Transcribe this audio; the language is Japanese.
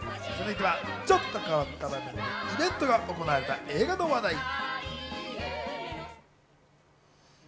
続いてはちょっと変わった場所でイベントが行われた映画の話題。